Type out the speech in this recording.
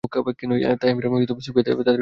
তাই আমিরা সুফিয়াতে তাদের হেডকোয়ার্টারে যাবো।